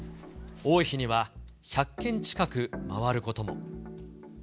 多い日には１００軒近く回ることも。